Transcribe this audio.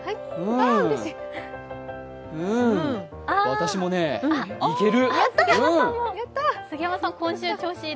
私もね、いける。